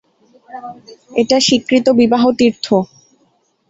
এটা স্বীকৃত বিবাহ তীর্থ।